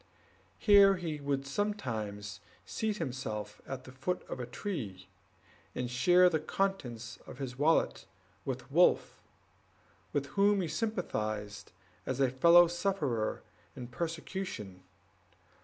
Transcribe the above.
Here he would sometimes seat himself at the foot of a tree, and share the contents of his wallet with Wolf, with whom he sympathized as a fellow sufferer in persecution.